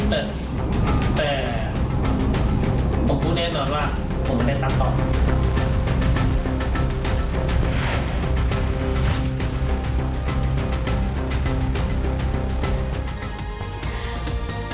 แต่ผมพูดแน่นอนว่าผมไม่ได้ตั้งตอบ